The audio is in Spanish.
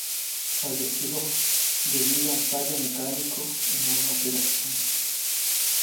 Falleció debido a un fallo mecánico en una operación.